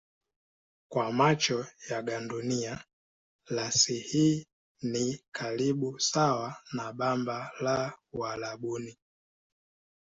Kwa macho ya gandunia rasi hii ni karibu sawa na bamba la Uarabuni.